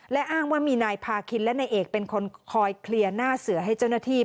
และอ้างว่ามีนายพาคินและนายเอกเป็นคนคอยเคลียร์หน้าเสือให้เจ้าหน้าที่